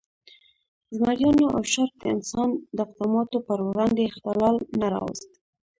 زمریانو او شارک د انسان د اقداماتو پر وړاندې اختلال نه راوست.